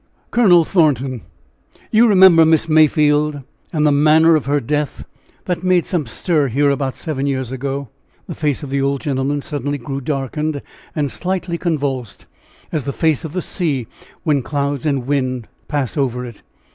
"Colonel Thornton, you remember Miss Mayfield, and the manner of her death, that made some stir here about seven years ago?" The face of the old gentleman suddenly grew darkened and slightly convulsed, as the face of the sea when clouds and wind pass over it.